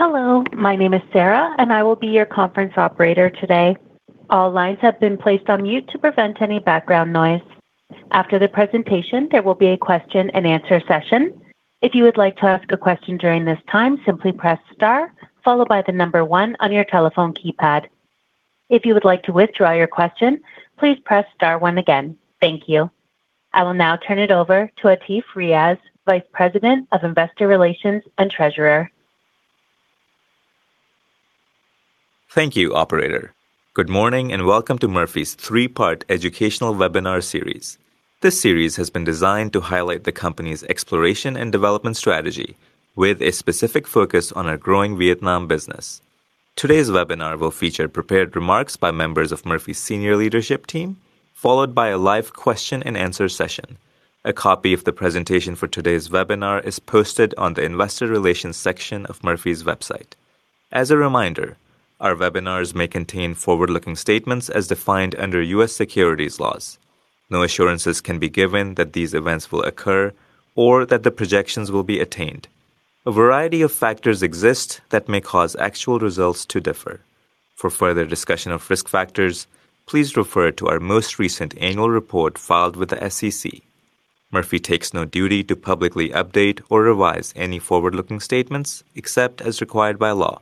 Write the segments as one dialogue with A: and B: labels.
A: Hello, my name is Sarah, and I will be your conference operator today. All lines have been placed on mute to prevent any background noise. After the presentation, there will be a question-and-answer session. If you would like to ask a question during this time, simply press star followed by the number one on your telephone keypad. If you would like to withdraw your question, please press star one again. Thank you. I will now turn it over to Atif Riaz, Vice President of Investor Relations & Treasurer.
B: Thank you, operator. Good morning and welcome to Murphy's Three-Part Educational Webinar Series. This series has been designed to highlight the company's exploration and development strategy with a specific focus on our growing Vietnam business. Today's webinar will feature prepared remarks by members of Murphy's senior leadership team, followed by a live question-and-answer session. A copy of the presentation for today's webinar is posted on the Investor Relations section of Murphy's website. As a reminder, our webinars may contain forward-looking statements as defined under U.S. securities laws. No assurances can be given that these events will occur or that the projections will be attained. A variety of factors exist that may cause actual results to differ. For further discussion of risk factors, please refer to our most recent annual report filed with the SEC. Murphy takes no duty to publicly update or revise any forward-looking statements except as required by law.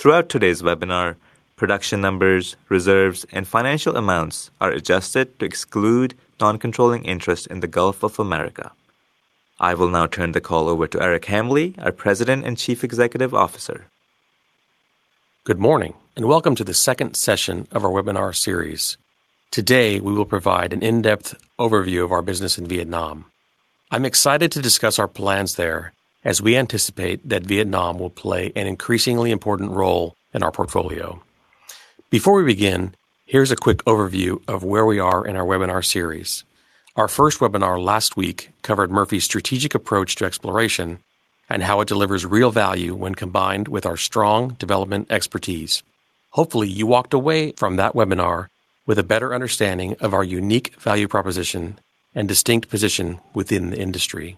B: Throughout today's webinar, production numbers, reserves, and financial amounts are adjusted to exclude non-controlling interest in the Gulf of Mexico. I will now turn the call over to Eric Hambly, our President and Chief Executive Officer.
C: Good morning and welcome to the second session of our webinar series. Today, we will provide an in-depth overview of our business in Vietnam. I'm excited to discuss our plans there as we anticipate that Vietnam will play an increasingly important role in our portfolio. Before we begin, here's a quick overview of where we are in our webinar series. Our first webinar last week covered Murphy's strategic approach to exploration and how it delivers real value when combined with our strong development expertise. Hopefully, you walked away from that webinar with a better understanding of our unique value proposition and distinct position within the industry.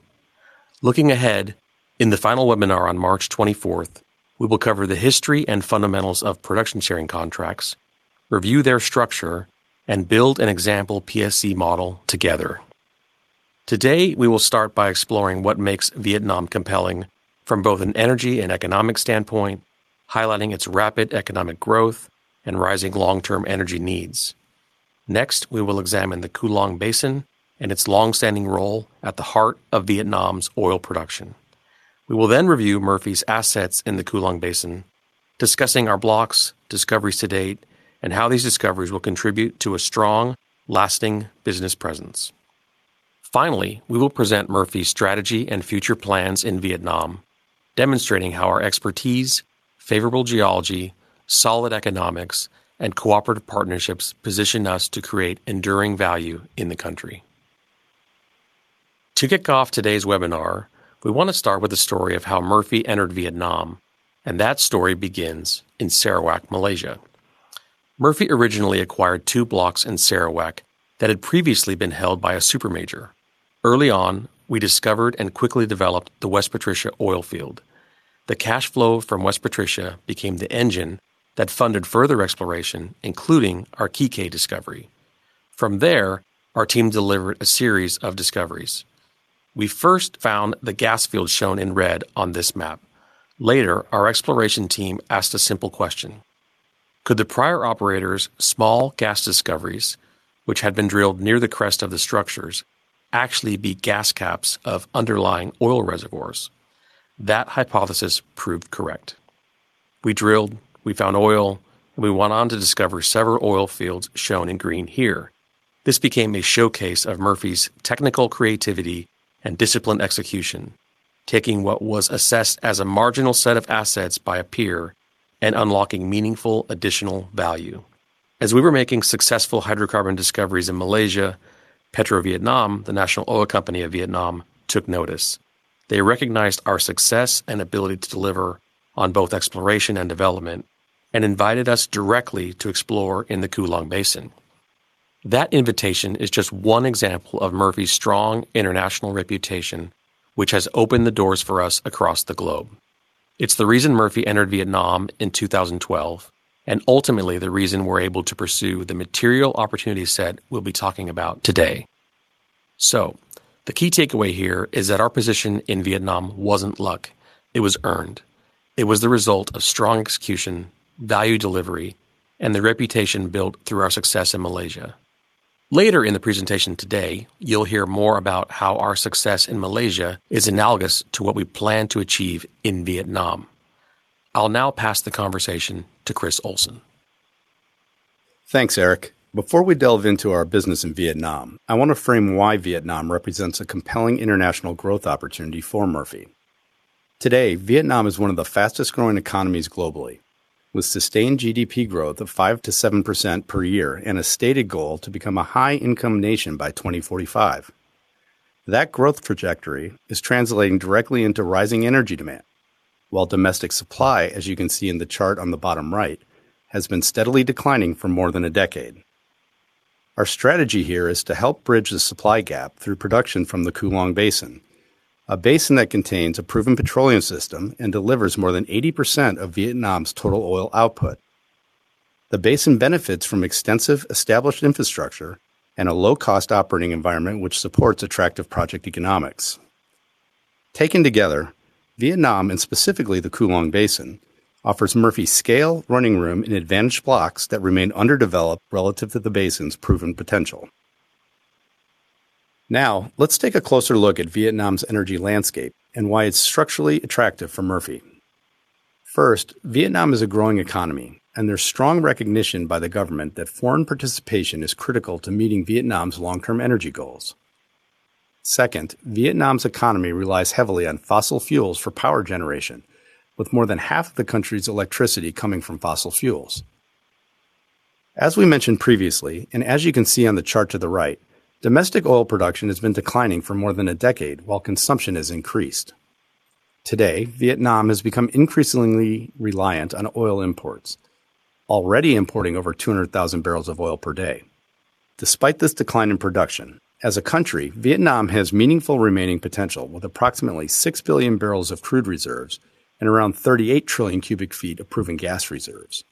C: Looking ahead, in the final webinar on March 24th, we will cover the history and fundamentals of production sharing contracts, review their structure, and build an example PSC model together. Today, we will start by exploring what makes Vietnam compelling from both an energy and economic standpoint, highlighting its rapid economic growth and rising long-term energy needs. Next, we will examine the Cuu Long Basin and its long-standing role at the heart of Vietnam's oil production. We will then review Murphy's assets in the Cuu Long Basin, discussing our blocks, discoveries to date, and how these discoveries will contribute to a strong, lasting business presence. Finally, we will present Murphy's strategy and future plans in Vietnam, demonstrating how our expertise, favorable geology, solid economics, and cooperative partnerships position us to create enduring value in the country. To kick off today's webinar, we want to start with the story of how Murphy entered Vietnam, and that story begins in Sarawak, Malaysia. Murphy originally acquired two blocks in Sarawak that had previously been held by a super major. Early on, we discovered and quickly developed the West Patricia oil field. The cash flow from West Patricia became the engine that funded further exploration, including our Kikeh discovery. From there, our team delivered a series of discoveries. We first found the gas field shown in red on this map. Later, our exploration team asked a simple question: Could the prior operator's small gas discoveries, which had been drilled near the crest of the structures, actually be gas caps of underlying oil reservoirs? That hypothesis proved correct. We drilled, we found oil, and we went on to discover several oil fields shown in green here. This became a showcase of Murphy's technical creativity and disciplined execution, taking what was assessed as a marginal set of assets by a peer and unlocking meaningful additional value. As we were making successful hydrocarbon discoveries in Malaysia, Petrovietnam, the national oil company of Vietnam, took notice. They recognized our success and ability to deliver on both exploration and development and invited us directly to explore in the Cuu Long Basin. That invitation is just one example of Murphy's strong international reputation, which has opened the doors for us across the globe. It's the reason Murphy entered Vietnam in 2012, and ultimately the reason we're able to pursue the material opportunity set we'll be talking about today. The key takeaway here is that our position in Vietnam wasn't luck, it was earned. It was the result of strong execution, value delivery, and the reputation built through our success in Malaysia. Later in the presentation today, you'll hear more about how our success in Malaysia is analogous to what we plan to achieve in Vietnam. I'll now pass the conversation to Chris Olson.
D: Thanks, Eric. Before we delve into our business in Vietnam, I want to frame why Vietnam represents a compelling international growth opportunity for Murphy. Today, Vietnam is one of the fastest-growing economies globally, with sustained GDP growth of 5%-7% per year and a stated goal to become a high-income nation by 2045. That growth trajectory is translating directly into rising energy demand, while domestic supply, as you can see in the chart on the bottom right, has been steadily declining for more than a decade. Our strategy here is to help bridge the supply gap through production from the Cuu Long Basin, a basin that contains a proven petroleum system and delivers more than 80% of Vietnam's total oil output. The basin benefits from extensive established infrastructure and a low-cost operating environment which supports attractive project economics. Taken together, Vietnam, and specifically the Cuu Long Basin, offers Murphy scale, running room, and advantaged blocks that remain underdeveloped relative to the basin's proven potential. Now, let's take a closer look at Vietnam's energy landscape and why it's structurally attractive for Murphy. First, Vietnam is a growing economy, and there's strong recognition by the government that foreign participation is critical to meeting Vietnam's long-term energy goals. Second, Vietnam's economy relies heavily on fossil fuels for power generation, with more than half the country's electricity coming from fossil fuels. As we mentioned previously, and as you can see on the chart to the right, domestic oil production has been declining for more than a decade while consumption has increased. Today, Vietnam has become increasingly reliant on oil imports, already importing over 200,000 bbl of oil per day. Despite this decline in production, as a country, Vietnam has meaningful remaining potential, with approximately 6 billion bbl of crude reserves and around 38 trillion cu ft of proven gas reserves.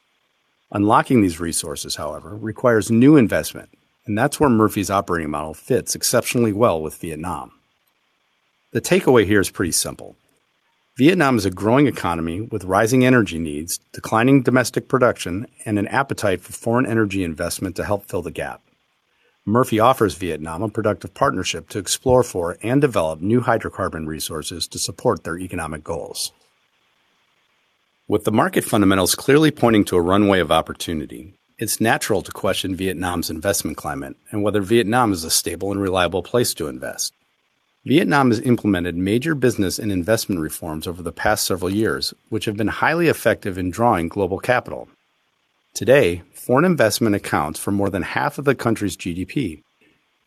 D: Unlocking these resources, however, requires new investment, and that's where Murphy's operating model fits exceptionally well with Vietnam. The takeaway here is pretty simple. Vietnam is a growing economy with rising energy needs, declining domestic production, and an appetite for foreign energy investment to help fill the gap. Murphy offers Vietnam a productive partnership to explore for and develop new hydrocarbon resources to support their economic goals. With the market fundamentals clearly pointing to a runway of opportunity, it's natural to question Vietnam's investment climate and whether Vietnam is a stable and reliable place to invest. Vietnam has implemented major business and investment reforms over the past several years, which have been highly effective in drawing global capital. Today, foreign investment accounts for more than half of the country's GDP,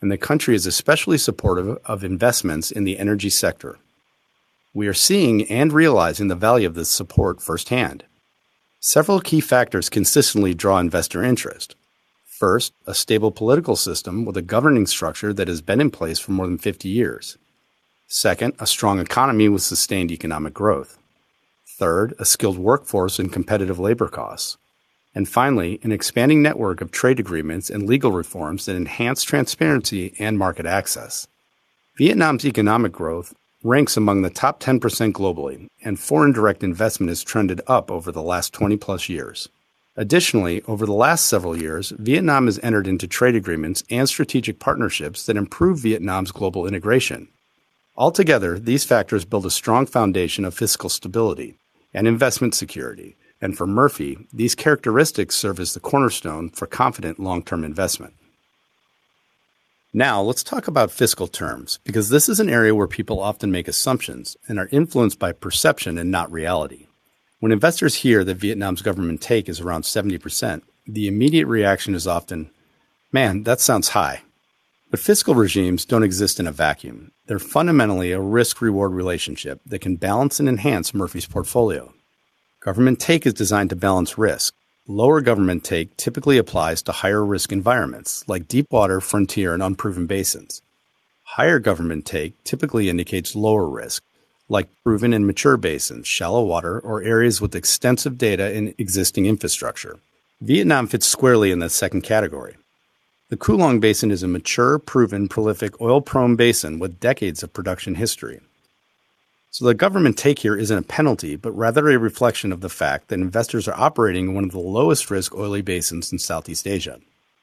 D: and the country is especially supportive of investments in the energy sector. We are seeing and realizing the value of this support firsthand. Several key factors consistently draw investor interest. First, a stable political system with a governing structure that has been in place for more than 50 years. Second, a strong economy with sustained economic growth. Third, a skilled workforce and competitive labor costs. Finally, an expanding network of trade agreements and legal reforms that enhance transparency and market access. Vietnam's economic growth ranks among the top 10% globally, and foreign direct investment has trended up over the last 20+ years. Additionally, over the last several years, Vietnam has entered into trade agreements and strategic partnerships that improve Vietnam's global integration. Altogether, these factors build a strong foundation of fiscal stability and investment security, and for Murphy, these characteristics serve as the cornerstone for confident long-term investment. Now, let's talk about fiscal terms, because this is an area where people often make assumptions and are influenced by perception and not reality. When investors hear that Vietnam's government take is around 70%, the immediate reaction is often, "Man, that sounds high." Fiscal regimes don't exist in a vacuum. They're fundamentally a risk-reward relationship that can balance and enhance Murphy's portfolio. Government take is designed to balance risk. Lower government take typically applies to higher-risk environments like deepwater, frontier, and unproven basins. Higher government take typically indicates lower risk, like proven and mature basins, shallow water, or areas with extensive data and existing infrastructure. Vietnam fits squarely in that second category. The Cuu Long Basin is a mature, proven, prolific oil-prone basin with decades of production history. The government take here isn't a penalty, but rather a reflection of the fact that investors are operating in one of the lowest-risk oily basins in Southeast Asia.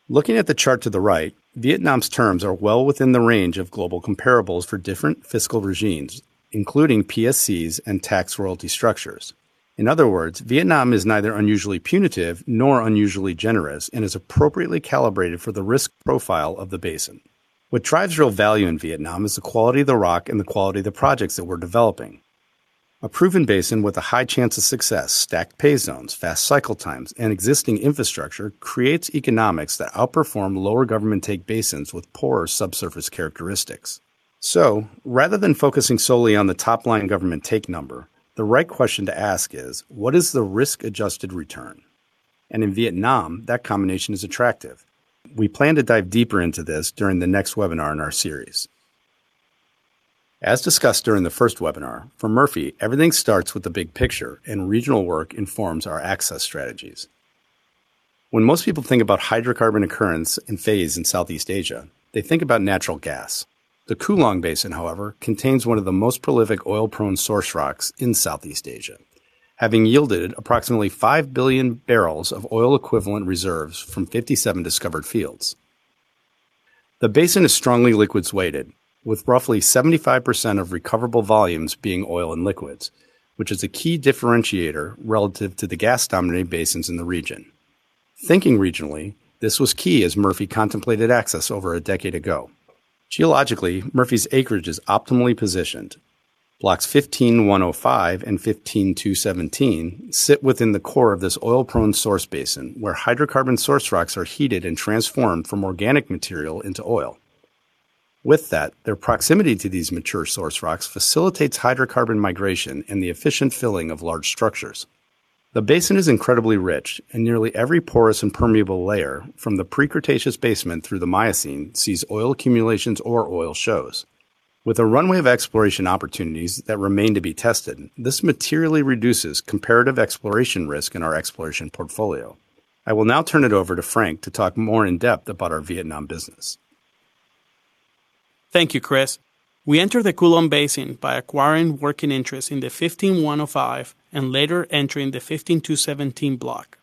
D: Looking at the chart to the right, Vietnam's terms are well within the range of global comparables for different fiscal regimes, including PSCs and tax royalty structures. In other words, Vietnam is neither unusually punitive nor unusually generous and is appropriately calibrated for the risk profile of the basin. What drives real value in Vietnam is the quality of the rock and the quality of the projects that we're developing. A proven basin with a high chance of success, stacked pay zones, fast cycle times, and existing infrastructure creates economics that outperform lower government take basins with poorer subsurface characteristics. Rather than focusing solely on the top-line government take number, the right question to ask is, "What is the risk-adjusted return?" In Vietnam, that combination is attractive. We plan to dive deeper into this during the next webinar in our series. As discussed during the first webinar, for Murphy, everything starts with the big picture, and regional work informs our access strategies. When most people think about hydrocarbon occurrence and phase in Southeast Asia, they think about natural gas. The Cuu Long Basin, however, contains one of the most prolific oil-prone source rocks in Southeast Asia, having yielded approximately 5 billion bbl of oil-equivalent reserves from 57 discovered fields. The basin is strongly liquids-weighted, with roughly 75% of recoverable volumes being oil and liquids, which is a key differentiator relative to the gas-dominated basins in the region. Thinking regionally, this was key as Murphy contemplated access over a decade ago. Geologically, Murphy's acreage is optimally positioned. Blocks 15-1/05 and 15-2/17 sit within the core of this oil-prone source basin, where hydrocarbon source rocks are heated and transformed from organic material into oil. With that, their proximity to these mature source rocks facilitates hydrocarbon migration and the efficient filling of large structures. The basin is incredibly rich, and nearly every porous and permeable layer from the pre-Cretaceous basement through the Miocene sees oil accumulations or oil shows. With a runway of exploration opportunities that remain to be tested, this materially reduces comparative exploration risk in our exploration portfolio. I will now turn it over to Franc to talk more in depth about our Vietnam business.
E: Thank you, Chris. We enter the Cuu Long Basin by acquiring working interest in the 15-1/05, and later entering the 15-2/17 block.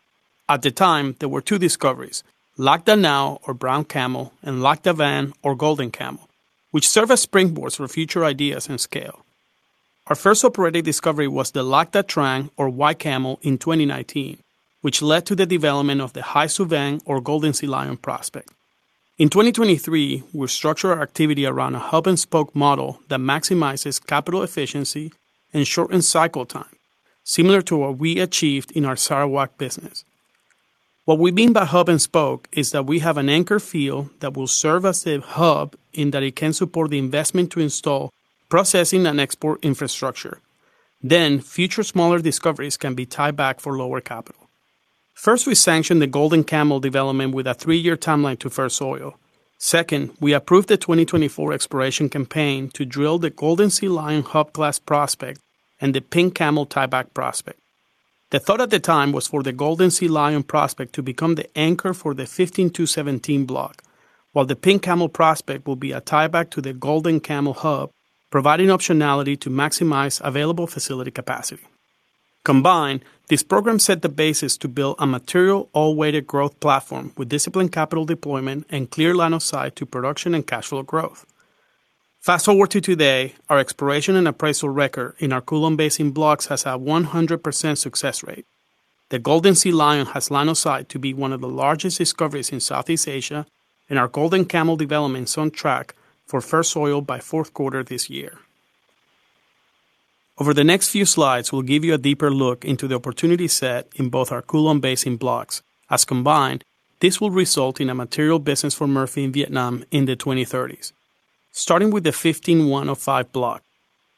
E: At the time, there were two discoveries, Lac Da Nau or Brown Camel, and Lac Da Vang or Golden Camel, which serve as springboards for future ideas and scale. Our first operating discovery was the Lac Da Trang or White Camel in 2019, which led to the development of the Hai Su Vang or Golden Sea Lion prospect. In 2023, we structured our activity around a hub and spoke model that maximizes capital efficiency and shortened cycle time, similar to what we achieved in our Sarawak business. What we mean by hub and spoke is that we have an anchor field that will serve as a hub in that it can support the investment to install processing and export infrastructure. Future smaller discoveries can be tied back for lower capital. First, we sanction the Golden Camel development with a three-year timeline to first oil. Second, we approved the 2024 exploration campaign to drill the Golden Sea Lion hub class prospect and the Pink Camel tieback prospect. The thought at the time was for the Golden Sea Lion prospect to become the anchor for the 15-2/17 block, while the Pink Camel prospect will be a tieback to the Golden Camel hub, providing optionality to maximize available facility capacity. Combined, this program set the basis to build a material oil-weighted growth platform with disciplined capital deployment and clear line of sight to production and cash flow growth. Fast-forward to today, our exploration and appraisal record in our Cuu Long Basin blocks has a 100% success rate. The Golden Sea Lion has line of sight to be one of the largest discoveries in Southeast Asia, and our Golden Camel development is on track for first oil by fourth quarter this year. Over the next few slides, we'll give you a deeper look into the opportunity set in both our Cuu Long Basin blocks, as combined, this will result in a material business for Murphy in Vietnam in the 2030s. Starting with the 15-1/05 block,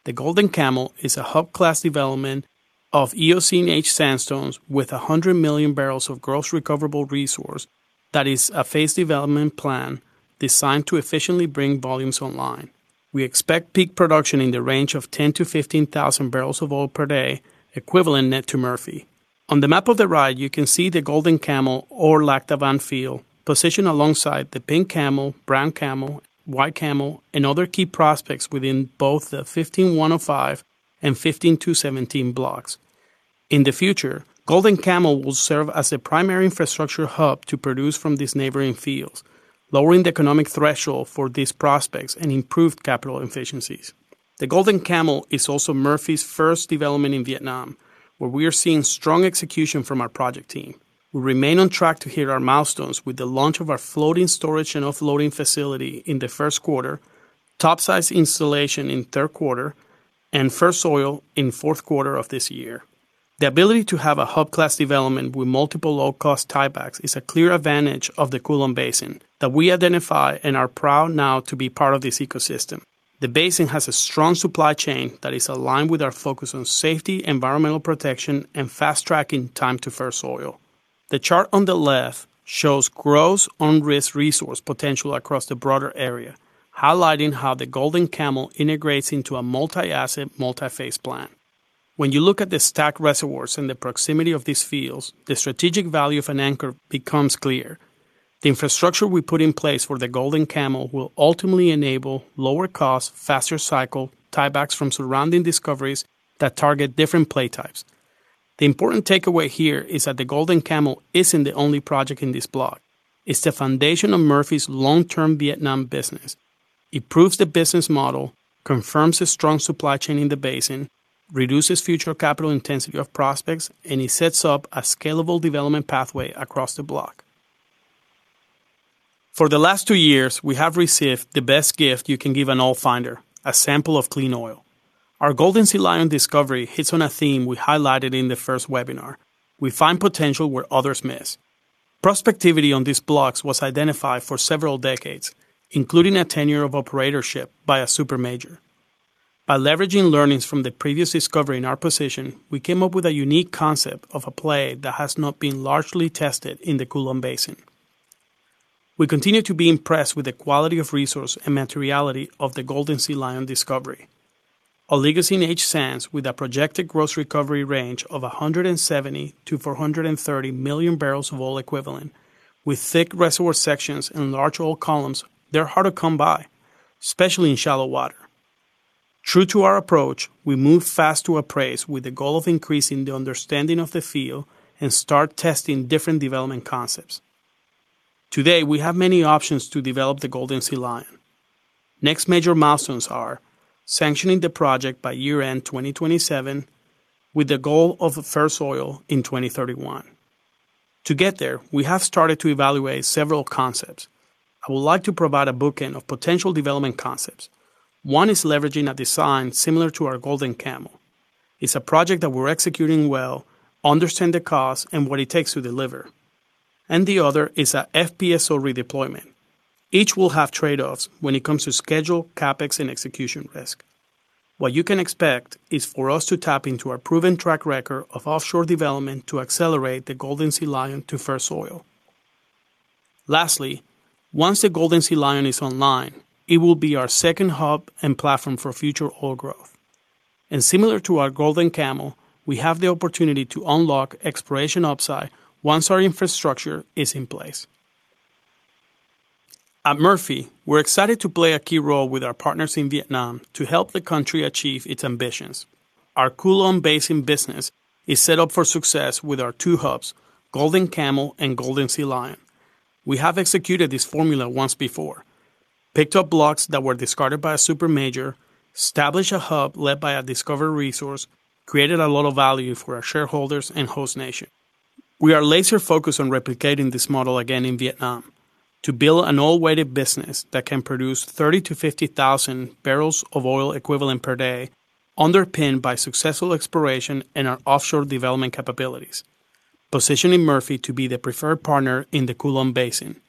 E: the Golden Camel is a hub class development of Eocene age sandstones with 100 million bbl of gross recoverable resource that is a phased development plan designed to efficiently bring volumes online. We expect peak production in the range of 10,000 bbl-15,000 bbl of oil per day, equivalent net to Murphy. On the map of the right, you can see the Golden Camel or Lac Da Vang field positioned alongside the Pink Camel, Brown Camel, White Camel, and other key prospects within both the 15-1/05 and 15-2/17 blocks. In the future, Golden Camel will serve as a primary infrastructure hub to produce from these neighboring fields, lowering the economic threshold for these prospects and improved capital efficiencies. The Golden Camel is also Murphy's first development in Vietnam, where we are seeing strong execution from our project team. We remain on track to hit our milestones with the launch of our floating storage and offloading facility in the first quarter, topsides installation in third quarter, and first oil in fourth quarter of this year. The ability to have a hub class development with multiple low-cost tiebacks is a clear advantage of the Cuu Long Basin that we identify and are proud now to be part of this ecosystem. The basin has a strong supply chain that is aligned with our focus on safety, environmental protection, and fast-tracking time to first oil. The chart on the left shows gross unrisked resource potential across the broader area, highlighting how the Golden Camel integrates into a multi-asset, multi-phase plan. When you look at the stacked reservoirs in the proximity of these fields, the strategic value of an anchor becomes clear. The infrastructure we put in place for the Golden Camel will ultimately enable lower cost, faster cycle tiebacks from surrounding discoveries that target different play types. The important takeaway here is that the Golden Camel isn't the only project in this block. It's the foundation of Murphy's long-term Vietnam business. It proves the business model, confirms a strong supply chain in the basin, reduces future capital intensity of prospects, and it sets up a scalable development pathway across the block. For the last two years, we have received the best gift you can give an oil finder, a sample of clean oil. Our Golden Sea Lion discovery hits on a theme we highlighted in the first webinar. We find potential where others miss. Prospectivity on these blocks was identified for several decades, including a tenure of operatorship by a super major. By leveraging learnings from the previous discovery in our position, we came up with a unique concept of a play that has not been largely tested in the Cuu Long Basin. We continue to be impressed with the quality of resource and materiality of the Golden Sea Lion discovery. Oligocene age sands with a projected gross recovery range of 170 million bbl-430 million bbl of oil equivalent with thick reservoir sections and large oil columns that are hard to come by, especially in shallow water. True to our approach, we move fast to appraise with the goal of increasing the understanding of the field and start testing different development concepts. Today, we have many options to develop the Hai Su Vang. Next major milestones are sanctioning the project by year-end 2027, with the goal of first oil in 2031. To get there, we have started to evaluate several concepts. I would like to provide a bookend of potential development concepts. One is leveraging a design similar to our Golden Camel. It's a project that we're executing well, understand the cost, and what it takes to deliver. The other is a FPSO redeployment. Each will have trade-offs when it comes to schedule, CapEx, and execution risk. What you can expect is for us to tap into our proven track record of offshore development to accelerate the Golden Sea Lion to first oil. Lastly, once the Golden Sea Lion is online, it will be our second hub and platform for future oil growth. Similar to our Golden Camel, we have the opportunity to unlock exploration upside once our infrastructure is in place. At Murphy, we're excited to play a key role with our partners in Vietnam to help the country achieve its ambitions. Our Cuu Long Basin business is set up for success with our two hubs, Golden Camel and Golden Sea Lion. We have executed this formula once before, picked up blocks that were discarded by a super major, established a hub led by a discovery resource, created a lot of value for our shareholders and host nation. We are laser-focused on replicating this model again in Vietnam to build an oil-weighted business that can produce 30,000 bbl-50,000 bbl of oil equivalent per day underpinned by successful exploration and our offshore development capabilities, positioning Murphy to be the preferred partner in the Cuu Long Basin.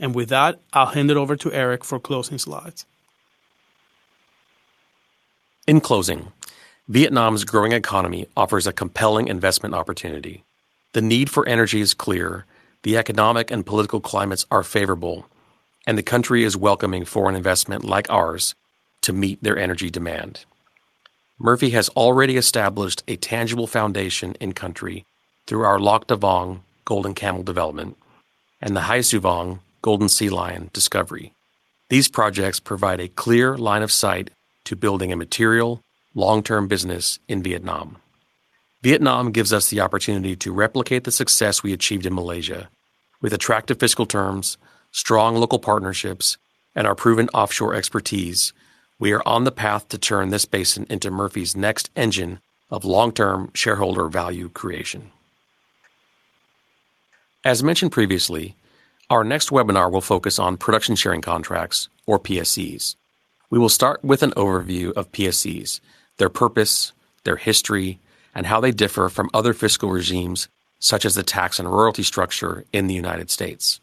E: With that, I'll hand it over to Eric for closing slides.
C: In closing, Vietnam's growing economy offers a compelling investment opportunity. The need for energy is clear. The economic and political climates are favorable, and the country is welcoming foreign investment like ours to meet their energy demand. Murphy has already established a tangible foundation in country through our Lac Da Vang, Golden Camel development and the Hai Su Vang, Golden Sea Lion discovery. These projects provide a clear line of sight to building a material, long-term business in Vietnam. Vietnam gives us the opportunity to replicate the success we achieved in Malaysia. With attractive fiscal terms, strong local partnerships, and our proven offshore expertise, we are on the path to turn this basin into Murphy's next engine of long-term shareholder value creation. As mentioned previously, our next webinar will focus on production sharing contracts or PSCs. We will start with an overview of PSCs, their purpose, their history, and how they differ from other fiscal regimes such as the tax and royalty structure in the United States.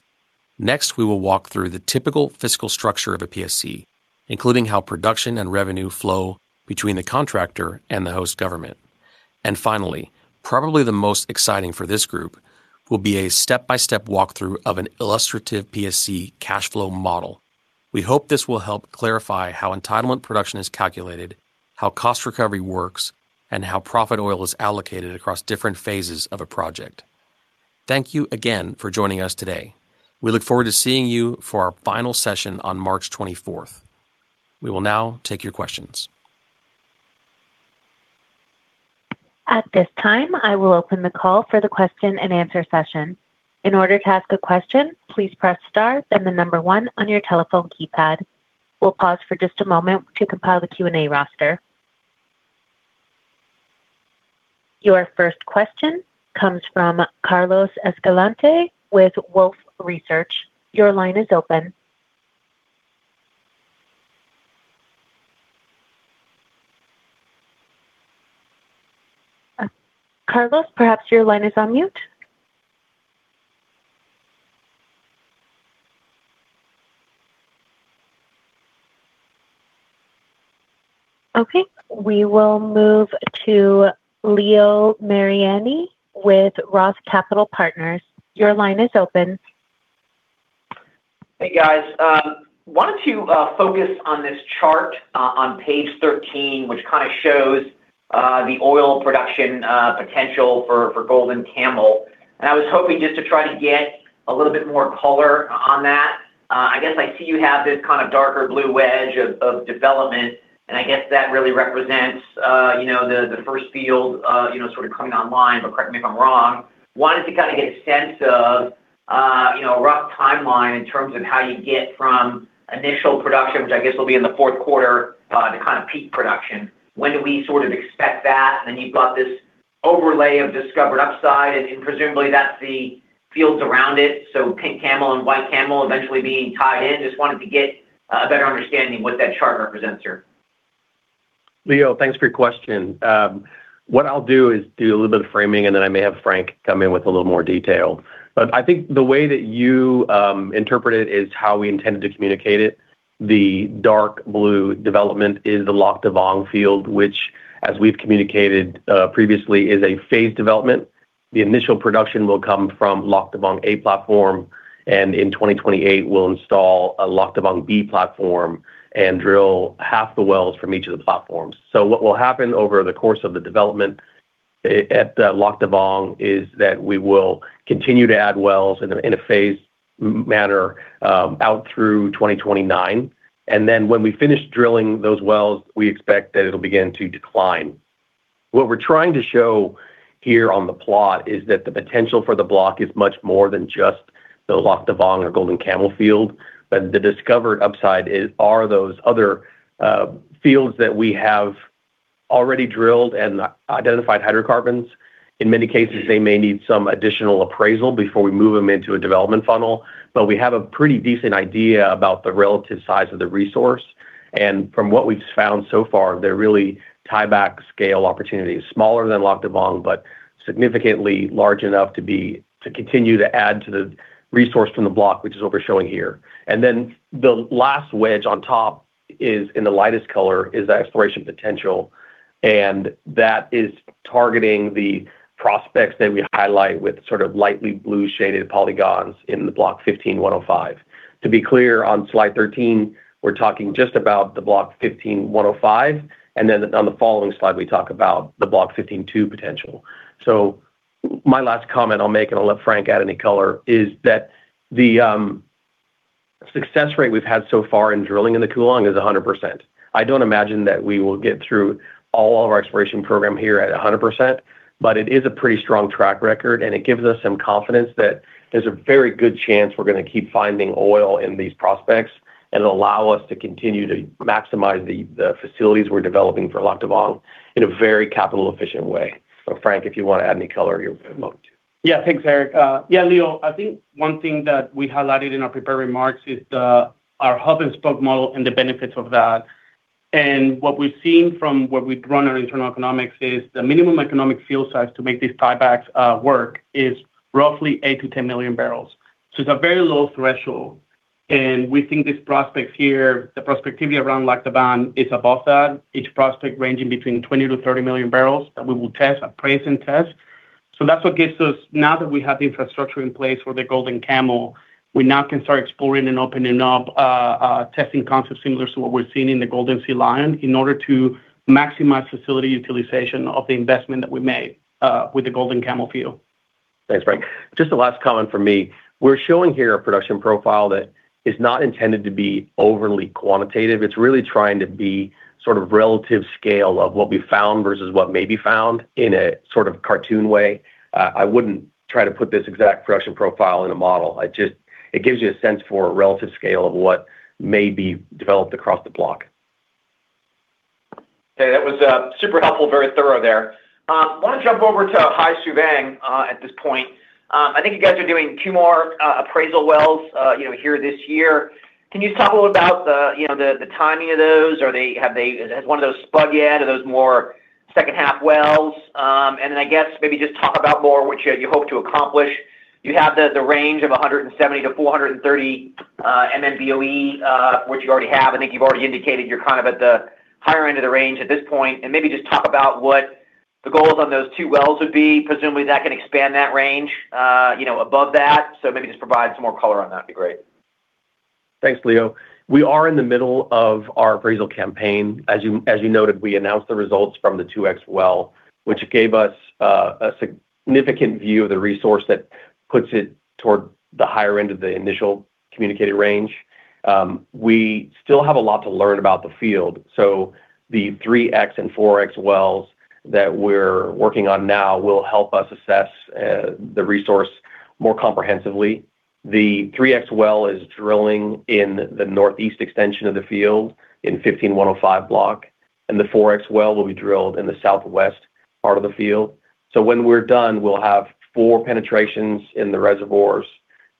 C: Next, we will walk through the typical fiscal structure of a PSC, including how production and revenue flow between the contractor and the host government. Finally, probably the most exciting for this group will be a step-by-step walkthrough of an illustrative PSC cash flow model. We hope this will help clarify how entitlement production is calculated, how cost recovery works, and how profit oil is allocated across different phases of a project. Thank you again for joining us today. We look forward to seeing you for our final session on March 24th. We will now take your questions.
A: At this time, I will open the call for the question-and-answer session. In order to ask a question, please press star then the number one on your telephone keypad. We'll pause for just a moment to compile the Q&A roster. Your first question comes from Carlos Escalante with Wolfe Research. Your line is open. Carlos, perhaps your line is on mute. Okay. We will move to Leo Mariani with Roth Capital Partners. Your line is open.
F: Hey, guys. Wanted to focus on this chart on Page 13, which kind of shows the oil production potential for Golden Camel. I was hoping just to try to get a little bit more color on that. I guess I see you have this kind of darker blue wedge of development, and I guess that really represents you know the first field you know sort of coming online, but correct me if I'm wrong. Wanted to kind of get a sense of you know a rough timeline in terms of how you get from initial production, which I guess will be in the fourth quarter to kind of peak production. When do we sort of expect that? You've got this overlay of discovered upside, and presumably that's the fields around it, so Pink Camel and White Camel eventually being tied in. Just wanted to get a better understanding of what that chart represents here.
C: Leo, thanks for your question. What I'll do is do a little bit of framing, and then I may have Franc come in with a little more detail. I think the way that you interpret it is how we intended to communicate it. The dark blue development is the Lac Da Vang field, which as we've communicated previously, is a phased development. The initial production will come from Lac Da Vang A platform, and in 2028, we'll install a Lac Da Vang B platform and drill half the wells from each of the platforms. What will happen over the course of the development at Lac Da Vang is that we will continue to add wells in a phased manner out through 2029. Then when we finish drilling those wells, we expect that it'll begin to decline. What we're trying to show here on the plot is that the potential for the block is much more than just the Lac Da Vang or Golden Camel field, but the discovered upside are those other fields that we have already drilled and identified hydrocarbons. In many cases, they may need some additional appraisal before we move them into a development funnel, but we have a pretty decent idea about the relative size of the resource. From what we've found so far, they're really tie-back scale opportunities, smaller than Lac Da Vang, but significantly large enough to continue to add to the resource from the block, which is what we're showing here. The last wedge on top is, in the lightest color, the exploration potential, and that is targeting the prospects that we highlight with sort of light blue shaded polygons in the Block 15-1/05. To be clear, on Slide 13, we're talking just about the Block 15-1/05, and then on the following slide, we talk about the Block 15-2 potential. My last comment I'll make, and I'll let Franc add any color, is that the success rate we've had so far in drilling in the Cuu Long is 100%. I don't imagine that we will get through all of our exploration program here at 100%, but it is a pretty strong track record, and it gives us some confidence that there's a very good chance we're gonna keep finding oil in these prospects and allow us to continue to maximize the facilities we're developing for Lac Da Vang in a very capital-efficient way. Franc, if you wanna add any color, you're more than welcome to.
E: Thanks, Eric. Yeah, Leo, I think one thing that we highlighted in our prepared remarks is our hub-and-spoke model and the benefits of that. What we've seen from what we've run our internal economics is the minimum economic field size to make these tiebacks work is roughly 8 million bbl-10 million bbl. It's a very low threshold, and we think these prospects here, the prospectivity around Lac Da Vang is above that, each prospect ranging between 20-30 million barrels that we will test, appraise, and test. That's what gives us. Now that we have the infrastructure in place for the Golden Camel, we now can start exploring and opening up testing concepts similar to what we're seeing in the Golden Sea Lion in order to maximize facility utilization of the investment that we made with the Golden Camel field.
C: Thanks, Franc. Just the last comment from me. We're showing here a production profile that is not intended to be overly quantitative. It's really trying to be sort of relative scale of what we found versus what may be found in a sort of cartoon way. I wouldn't try to put this exact production profile in a model. It gives you a sense for a relative scale of what may be developed across the block.
F: Okay. That was super helpful, very thorough there. Wanna jump over to Hai Su Vang at this point. I think you guys are doing two more appraisal wells, you know, here this year. Can you talk a little about the, you know, the timing of those? Has one of those spud yet? Are those more second half wells? And then I guess maybe just talk about more what you hope to accomplish. You have the range of 170 MMBOE-430 MMBOE, which you already have. I think you've already indicated you're kind of at the higher end of the range at this point. Maybe just talk about what the goals on those two wells would be. Presumably, that can expand that range, you know, above that. Maybe just provide some more color on that would be great.
C: Thanks, Leo. We are in the middle of our appraisal campaign. As you noted, we announced the results from the 2X well, which gave us a significant view of the resource that puts it toward the higher end of the initial communicated range. We still have a lot to learn about the field. The 3X and 4X wells that we're working on now will help us assess the resource more comprehensively. The 3X well is drilling in the northeast extension of the field in 15-1/05 block, and the 4X well will be drilled in the southwest part of the field. When we're done, we'll have four penetrations in the reservoirs,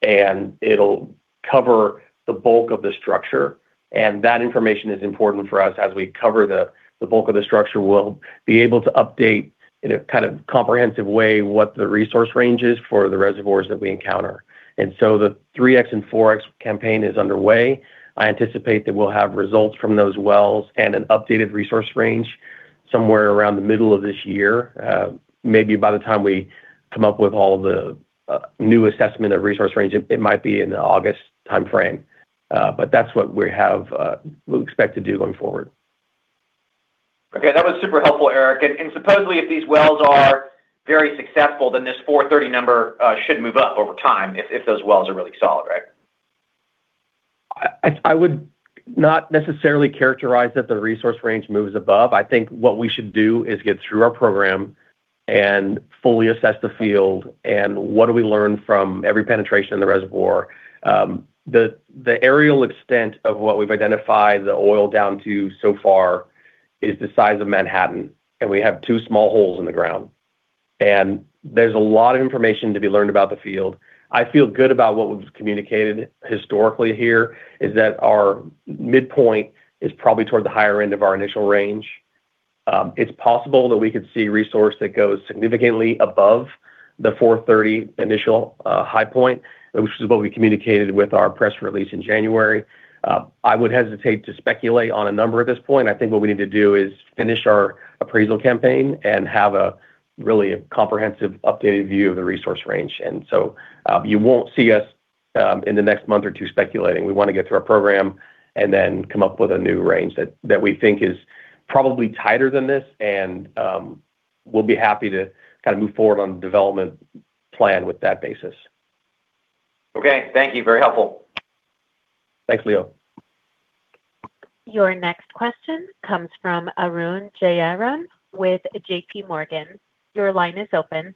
C: and it'll cover the bulk of the structure. That information is important for us. As we cover the bulk of the structure, we'll be able to update in a kind of comprehensive way what the resource range is for the reservoirs that we encounter. The 3X and 4X campaign is underway. I anticipate that we'll have results from those wells and an updated resource range somewhere around the middle of this year. Maybe by the time we come up with all the new assessment of resource range, it might be in the August timeframe. That's what we have. We expect to do going forward.
F: Okay. That was super helpful, Eric. Supposedly, if these wells are very successful, then this 430 MMBOE number should move up over time if those wells are really solid, right?
C: I would not necessarily characterize that the resource range moves above. I think what we should do is get through our program and fully assess the field and what do we learn from every penetration in the reservoir. The aerial extent of what we've identified the oil down to so far is the size of Manhattan, and we have two small holes in the ground. There's a lot of information to be learned about the field. I feel good about what we've communicated historically here, is that our midpoint is probably toward the higher end of our initial range. It's possible that we could see resource that goes significantly above the 430 MMBOE initial high point, which is what we communicated with our press release in January. I would hesitate to speculate on a number at this point. I think what we need to do is finish our appraisal campaign and have a really comprehensive updated view of the resource range. You won't see us in the next month or two speculating. We wanna get through our program and then come up with a new range that we think is probably tighter than this, and we'll be happy to kinda move forward on the development plan with that basis.
F: Okay. Thank you. Very helpful.
C: Thanks, Leo.
A: Your next question comes from Arun Jayaram with JPMorgan. Your line is open.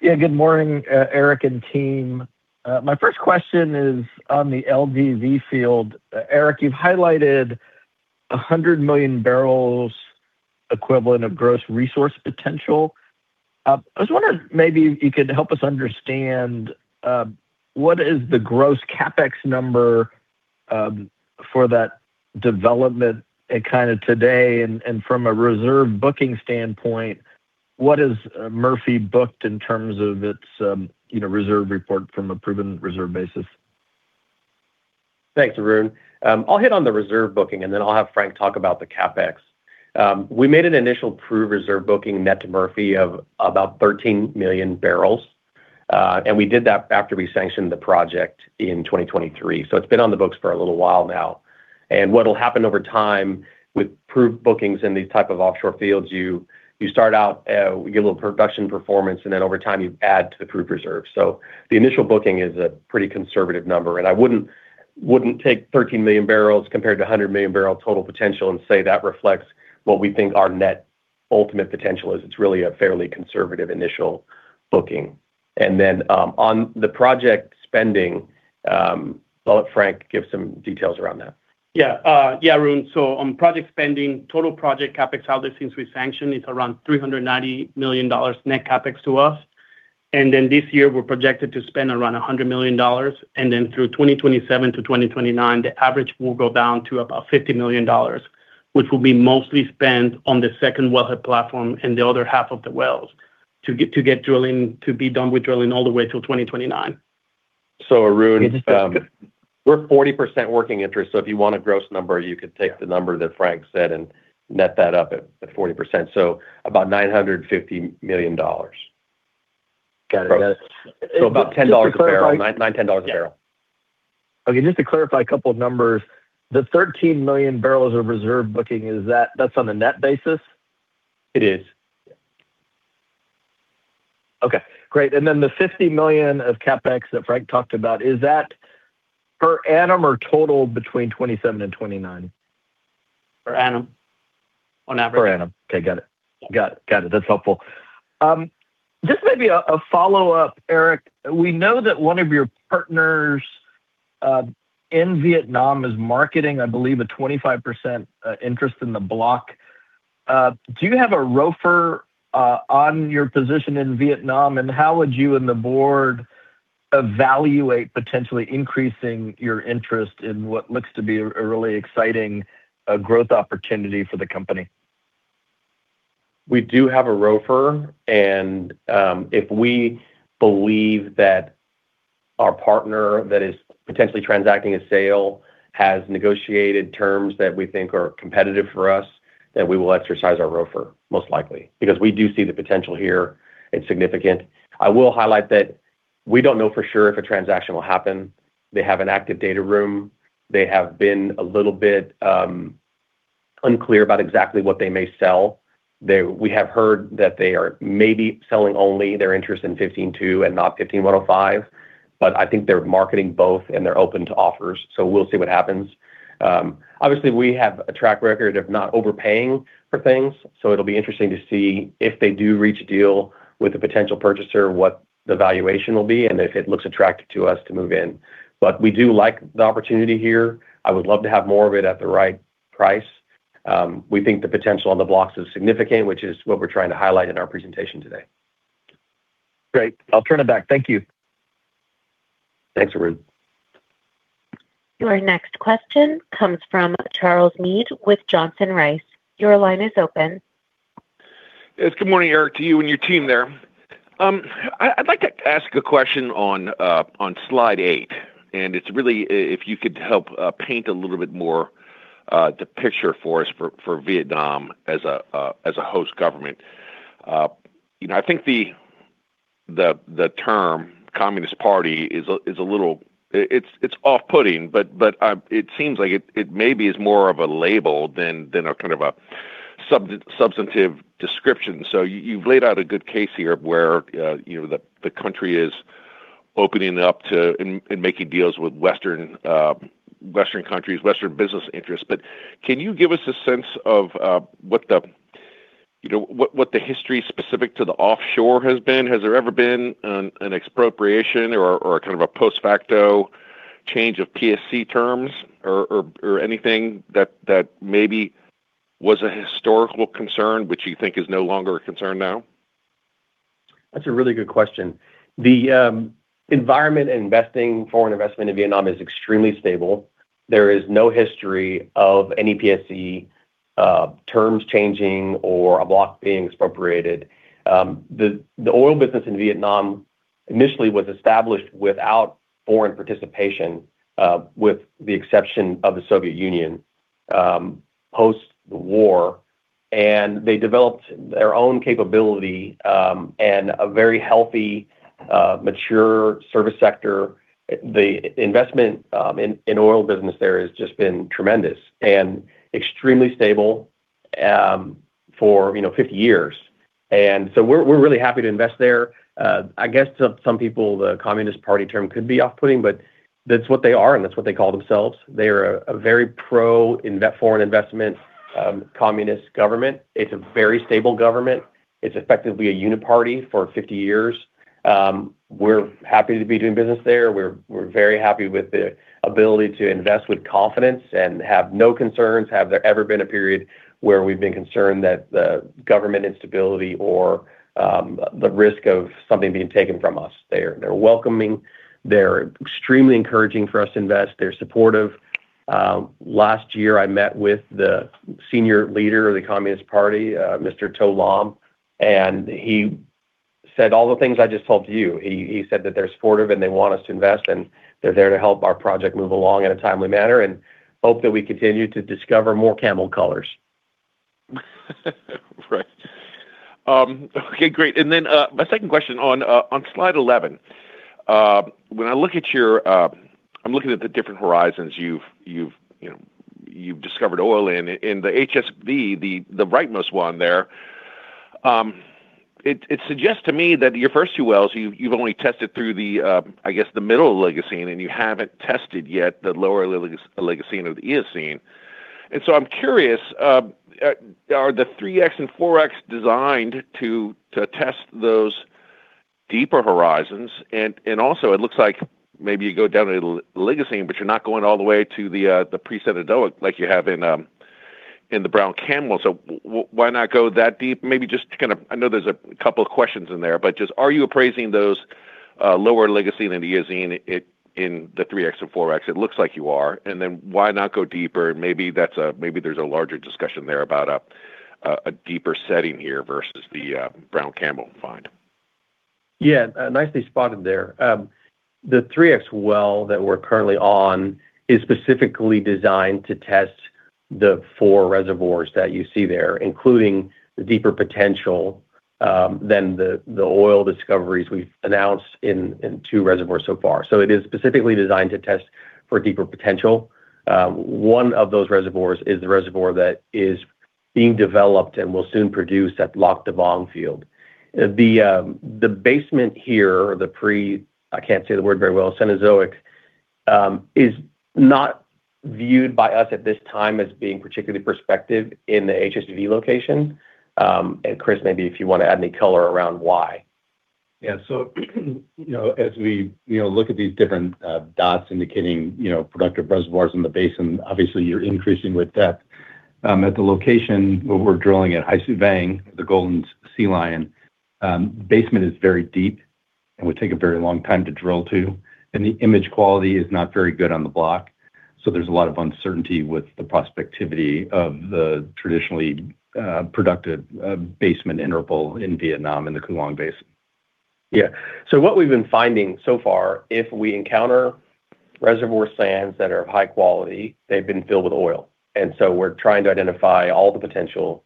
G: Yeah. Good morning, Eric and team. My first question is on the LDV field. Eric, you've highlighted 100 million bbl equivalent of gross resource potential. I was wondering maybe if you could help us understand what is the gross CapEx number for that development and kind of today, and from a reserve booking standpoint, what is Murphy booked in terms of its you know, reserve report from a proven reserve basis?
C: Thanks, Arun. I'll hit on the reserve booking, and then I'll have Franc talk about the CapEx. We made an initial proved reserve booking net to Murphy of about 13 million bbl, and we did that after we sanctioned the project in 2023. It's been on the books for a little while now. What'll happen over time with proved bookings in these type of offshore fields, you start out, we get a little production performance, and then over time you add to the proved reserve. The initial booking is a pretty conservative number. I wouldn't take 13 million bbl compared to a 100 million bbl total potential and say that reflects what we think our net ultimate potential is. It's really a fairly conservative initial booking. On the project spending, I'll let Franc give some details around that.
E: Yeah. Yeah, Arun. On project spending, total project CapEx out there since we sanctioned, it's around $390 million net CapEx to us. This year we're projected to spend around $100 million. Through 2027 to 2029, the average will go down to about $50 million, which will be mostly spent on the second wellhead platform and the other half of the wells to get drilling to be done with drilling all the way till 2029.
C: Arun, we're 40% working interest, so if you want a gross number, you could take the number that Franc said and net that up at 40%. About $950 million.
G: Got it.
C: about $10 a barrel. $9-$10 a barrel.
G: Okay. Just to clarify a couple of numbers, the 13 million bbl of reserve booking, is that on a net basis?
C: It is.
G: Okay, great. Then the $50 million of CapEx that Franc talked about, is that per annum or total between 2027 and 2029?
E: Per annum. On average.
G: Per annum. Okay, got it. That's helpful. Just maybe a follow-up, Eric. We know that one of your partners in Vietnam is marketing, I believe a 25% interest in the block. Do you have a ROFR on your position in Vietnam, and how would you and the board evaluate potentially increasing your interest in what looks to be a really exciting growth opportunity for the company?
C: We do have a ROFR, and if we believe that our partner that is potentially transacting a sale has negotiated terms that we think are competitive for us, then we will exercise our ROFR, most likely, because we do see the potential here. It's significant. I will highlight that we don't know for sure if a transaction will happen. They have an active data room. They have been a little bit unclear about exactly what they may sell. We have heard that they are maybe selling only their interest in 15-2 and not 15-1/05, but I think they're marketing both, and they're open to offers. We'll see what happens. Obviously we have a track record of not overpaying for things, so it'll be interesting to see if they do reach a deal with a potential purchaser, what the valuation will be and if it looks attractive to us to move in. We do like the opportunity here. I would love to have more of it at the right price. We think the potential on the blocks is significant, which is what we're trying to highlight in our presentation today.
G: Great. I'll turn it back. Thank you.
C: Thanks, Arun.
A: Your next question comes from Charles Meade with Johnson Rice. Your line is open.
H: Yes. Good morning, Eric, to you and your team there. I'd like to ask a question on Slide eight, and it's really if you could help paint a little bit more the picture for us for Vietnam as a host government. You know, I think the term Communist Party is a little off-putting, but it seems like it maybe is more of a label than a kind of a substantive description. You've laid out a good case here where you know, the country is opening up to and making deals with Western countries, Western business interests. Can you give us a sense of what the history specific to the offshore has been? Has there ever been an expropriation or a kind of a post-facto change of PSC terms or anything that maybe was a historical concern, which you think is no longer a concern now?
C: That's a really good question. The environment for foreign investment in Vietnam is extremely stable. There is no history of any PSC terms changing or a block being expropriated. The Oil business in Vietnam initially was established without foreign participation, with the exception of the Soviet Union, post-war, and they developed their own capability, and a very healthy, mature service sector. The investment in Oil business there has just been tremendous and extremely stable, for you know, 50 years. We're really happy to invest there. I guess to some people, the Communist Party term could be off-putting, but that's what they are, and that's what they call themselves. They are a very pro-foreign investment, communist government. It's a very stable government. It's effectively a one-party for 50 years. We're happy to be doing business there. We're very happy with the ability to invest with confidence and have no concerns. Have there ever been a period where we've been concerned that the governmental instability or the risk of something being taken from us? They're welcoming, they're extremely encouraging for us to invest. They're supportive. Last year, I met with the senior leader of the Communist Party, Mr. To Lam, and he said all the things I just told you. He said that they're supportive, and they want us to invest, and they're there to help our project move along in a timely manner and hope that we continue to discover more hydrocarbons.
H: Right. Okay, great. My second question on Slide 11, when I look at your, I'm looking at the different horizons you've, you know, discovered oil in. In the HSB, the rightmost one there, it suggests to me that your first two wells, you've only tested through the, I guess the middle Oligocene, and you haven't tested yet the lower Oligocene or the Eocene. I'm curious, are the 3X and 4X designed to test those deeper horizons? And also it looks like maybe you go down to the Oligocene, but you're not going all the way to the pre-Cenozoic like you have in the Brown Camel. Why not go that deep? Maybe just to kind of I know there's a couple of questions in there, but just are you appraising those lower Oligocene and Eocene in the 3X and 4X? It looks like you are. Why not go deeper? Maybe there's a larger discussion there about a deeper setting here versus the Brown Camel find.
C: Yeah. Nicely spotted there. The 3X well that we're currently on is specifically designed to test the four reservoirs that you see there, including the deeper potential than the oil discoveries we've announced in two reservoirs so far. It is specifically designed to test for deeper potential. One of those reservoirs is the reservoir that is being developed and will soon produce at Lac Da Vang field. The basement here or the pre-Cenozoic is not viewed by us at this time as being particularly prospective in the HSV location. Chris, maybe if you want to add any color around why.
D: You know, as we, you know, look at these different dots indicating, you know, productive reservoirs in the basin, obviously you're increasing with depth. At the location where we're drilling at Hai Su Vang, the Golden Sea Lion, basement is very deep and would take a very long time to drill to, and the image quality is not very good on the block. There's a lot of uncertainty with the prospectivity of the traditionally productive basement interval in Vietnam in the Cuu Long Basin.
C: What we've been finding so far, if we encounter reservoir sands that are of high quality, they've been filled with oil. We're trying to identify all the potential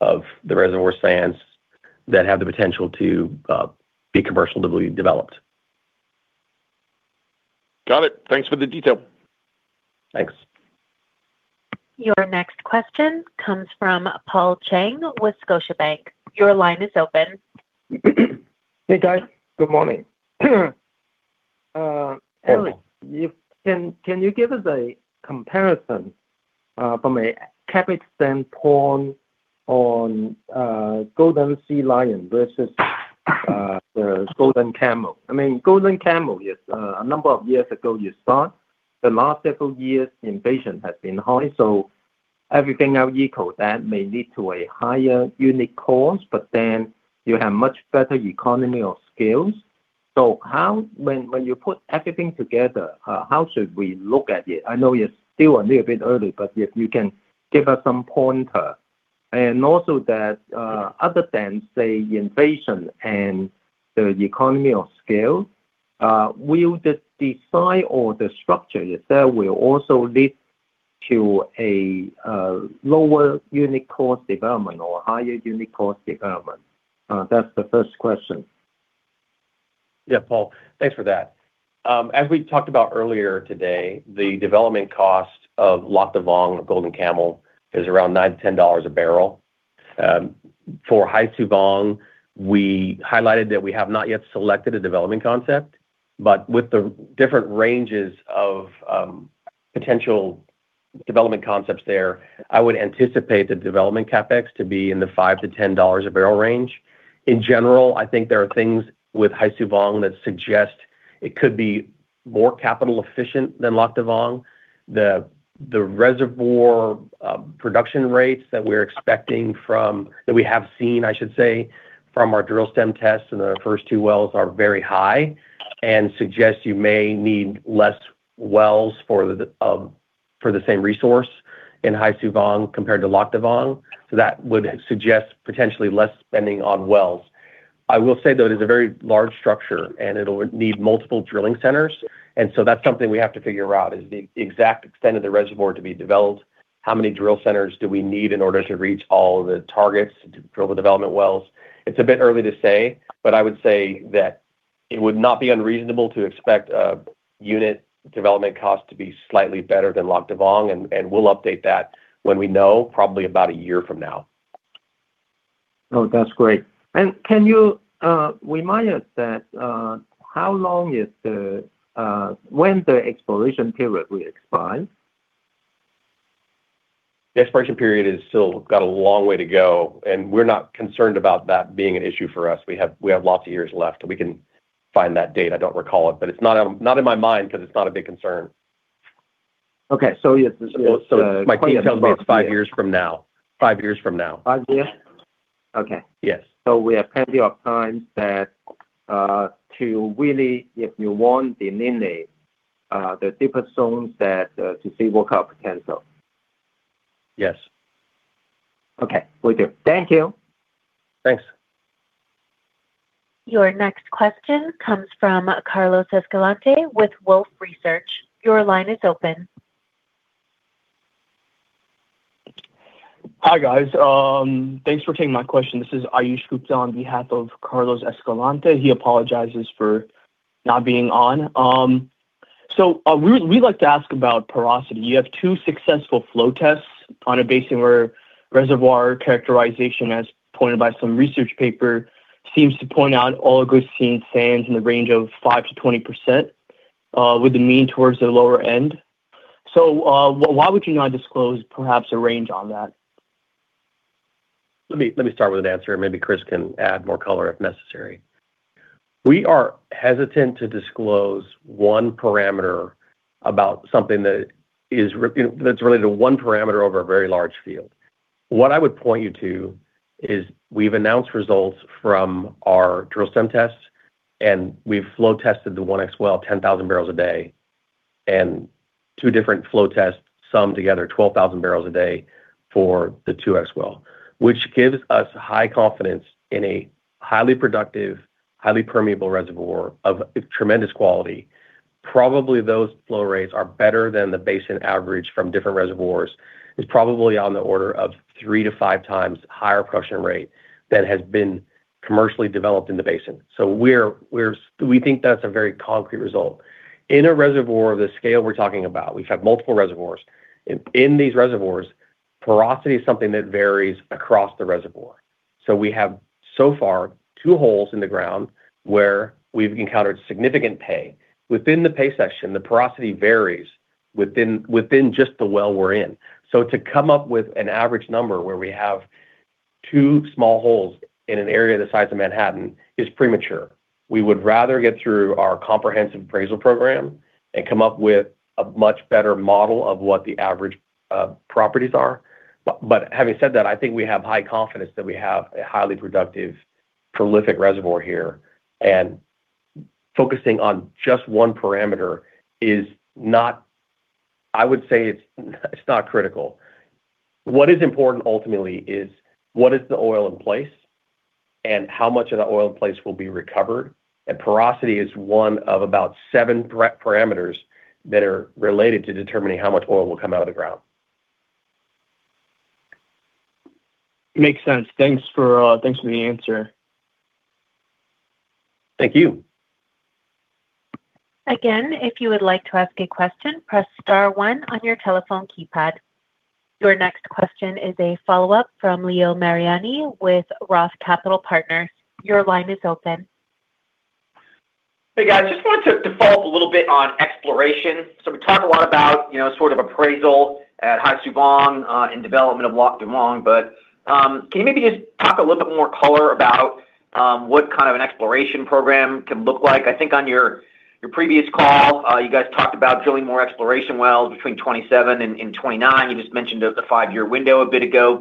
C: of the reservoir sands that have the potential to be commercially developed.
H: Got it. Thanks for the detail.
C: Thanks.
A: Your next question comes from Paul Cheng with Scotiabank. Your line is open.
I: Hey, guys. Good morning.
C: Hello
I: Can you give us a comparison from a CapEx standpoint on Golden Sea Lion versus the Golden Camel? I mean, Golden Camel is a number of years ago you start. The last several years, inflation has been high, so everything have equal. That may lead to a higher unit cost, but then you have much better economies of scale. When you put everything together, how should we look at it? I know you're still a little bit early, but if you can give us some pointer. Also that, other than, say, inflation and the economies of scale, will the site or the structure itself will also lead to a lower unit cost development or higher unit cost development? That's the first question.
C: Paul, thanks for that. As we talked about earlier today, the development cost of Lac Da Vang or Golden Camel is around $9-$10 a barrel. For Hai Su Vang, we highlighted that we have not yet selected a development concept, but with the different ranges of potential development concepts there, I would anticipate the development CapEx to be in the $5-$10 a barrel range. In general, I think there are things with Hai Su Vang that suggest it could be more capital efficient than Loc Duong. The reservoir production rates that we have seen, I should say, from our drill stem tests in our first two wells are very high and suggest you may need less wells for the same resource in Hai Su Vang compared to Lac Da Vang. That would suggest potentially less spending on wells. I will say, though, it is a very large structure, and it'll need multiple drilling centers. That's something we have to figure out is the exact extent of the reservoir to be developed. How many drill centers do we need in order to reach all the targets to drill the development wells? It's a bit early to say, but I would say that it would not be unreasonable to expect a unit development cost to be slightly better than Lac Da Vang. We'll update that when we know, probably about a year from now.
I: Oh, that's great. Can you remind us when the exploration period will expire?
C: The expiration period is still got a long way to go, and we're not concerned about that being an issue for us. We have lots of years left, and we can find that date. I don't recall it, but it's not in my mind 'cause it's not a big concern.
I: Okay.
C: My detail's about five years from now. Five years from now.
I: Five years? Okay.
C: Yes.
I: We have plenty of time to really, if you want, delineate the deeper zones to see upside potential.
C: Yes.
I: Okay. Will do. Thank you.
C: Thanks.
A: Your next question comes from Carlos Escalante with Wolfe Research. Your line is open.
J: Hi, guys. Thanks for taking my question. This is Aayush Gupta on behalf of Carlos Escalante. He apologizes for not being on. We'd like to ask about porosity. You have two successful flow tests on a basin where reservoir characterization, as pointed by some research paper, seems to point out Oligocene sands in the range of 5%-20%, with the mean towards the lower end. Why would you not disclose perhaps a range on that?
C: Let me start with an answer, and maybe Chris can add more color if necessary. We are hesitant to disclose one parameter about something that is, you know, that's related to one parameter over a very large field. What I would point you to is we've announced results from our drill stem tests, and we've flow tested the 1X well, 10,000 bbl a day, and two different flow tests summed together 12,000 bbl day for the 2X well, which gives us high confidence in a highly productive, highly permeable reservoir of tremendous quality. Probably those flow rates are better than the basin average from different reservoirs. It's probably on the order of three to five times higher production rate than has been commercially developed in the basin. We think that's a very concrete result. In a reservoir of the scale we're talking about, we have multiple reservoirs. In these reservoirs, porosity is something that varies across the reservoir. We have so far two holes in the ground where we've encountered significant pay. Within the pay section, the porosity varies within just the well we're in. To come up with an average number where we have two small holes in an area the size of Manhattan is premature. We would rather get through our comprehensive appraisal program and come up with a much better model of what the average properties are. Having said that, I think we have high confidence that we have a highly productive, prolific reservoir here. Focusing on just one parameter is not, I would say, is not critical. What is important ultimately is what is the oil in place and how much of the oil in place will be recovered. Porosity is one of about seven key parameters that are related to determining how much oil will come out of the ground.
J: Makes sense. Thanks for the answer.
C: Thank you.
A: Again, if you would like to ask a question, press star one on your telephone keypad. Your next question is a follow-up from Leo Mariani with Roth Capital Partners. Your line is open.
F: Hey, guys. Just wanted to dive a little bit on exploration. We talk a lot about, you know, sort of appraisal at Hai Su Vang, and development of Lac Da Vang, but can you maybe just talk a little bit more color about what kind of an exploration program can look like? I think on your previous call, you guys talked about drilling more exploration wells between 2027 and 2029. You just mentioned the five-year window a bit ago.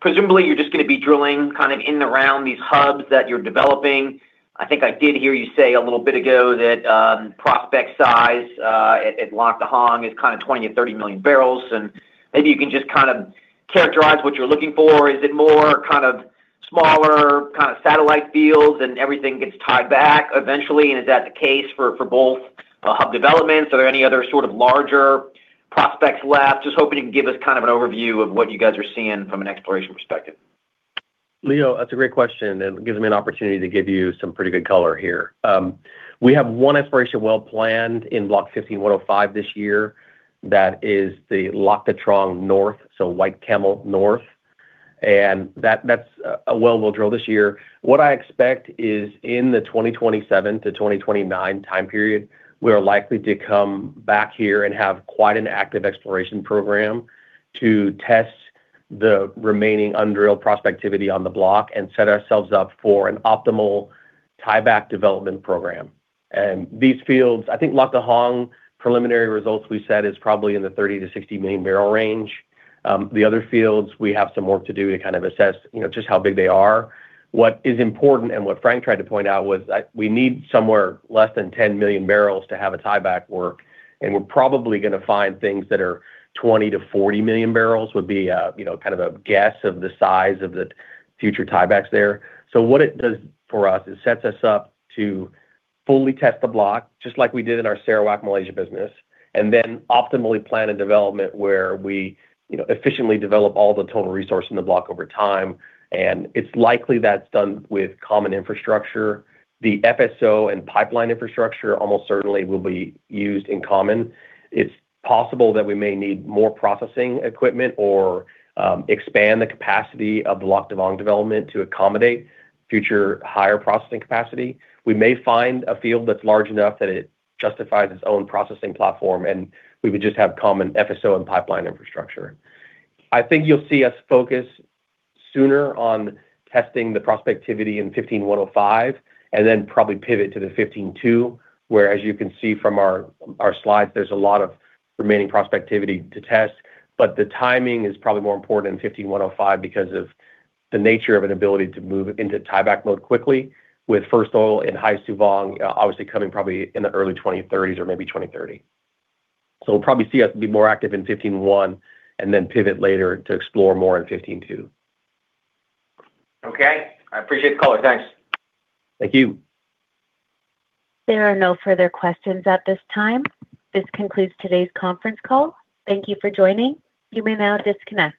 F: Presumably, you are just gonna be drilling kind of in around these hubs that you are developing. I think I did hear you say a little bit ago that prospect size at Lac Da Vang is kinda 20 million bbl-30 million bbl. Maybe you can just kind of characterize what you are looking for. Is it more kind of smaller kinda satellite fields and everything gets tied back eventually? Is that the case for both hub developments? Are there any other sort of larger prospects left? Just hoping you can give us kind of an overview of what you guys are seeing from an exploration perspective.
C: Leo, that's a great question, and it gives me an opportunity to give you some pretty good color here. We have one exploration well planned in Block 15-1/05 this year. That is the Lac Da Trang North, so White Camel North. That's a well we'll drill this year. What I expect is in the 2027 to 2029 time period, we are likely to come back here and have quite an active exploration program to test the remaining undrilled prospectivity on the block and set ourselves up for an optimal tieback development program. These fields. I think Lac Da Hong, preliminary results we said is probably in the 30 million bbl-60 million bblel range. The other fields, we have some work to do to kind of assess, you know, just how big they are. What is important and what Franc tried to point out was we need somewhere less than 10 million barrels to have a tieback work. We're probably gonna find things that are 20 million bbl-40 million bbl, would be, you know, kind of a guess of the size of the future tiebacks there. What it does for us, it sets us up to fully test the block just like we did in our Sarawak Malaysia business, and then optimally plan a development where we, you know, efficiently develop all the total resource in the block over time. It's likely that's done with common infrastructure. The FSO and pipeline infrastructure almost certainly will be used in common. It's possible that we may need more processing equipment or expand the capacity of the Lac Da Vang development to accommodate future higher processing capacity. We may find a field that's large enough that it justifies its own processing platform, and we would just have common FSO and pipeline infrastructure. I think you'll see us focus sooner on testing the prospectivity in 15-1/05 and then probably pivot to the 15-2/17, where, as you can see from our slides, there's a lot of remaining prospectivity to test. The timing is probably more important in 15-1/05 because of the nature of an ability to move into tieback mode quickly with first oil in Hai Su Vang obviously coming probably in the early 2030s or maybe 2030. We'll probably see us be more active in 15-1/05 and then pivot later to explore more in 15-2/17.
F: Okay. I appreciate the call. Thanks.
C: Thank you.
A: There are no further questions at this time. This concludes today's conference call. Thank you for joining. You may now disconnect.